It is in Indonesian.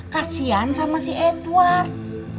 kasian sama si edward